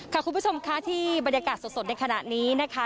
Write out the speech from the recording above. คุณผู้ชมค่ะที่บรรยากาศสดในขณะนี้นะคะ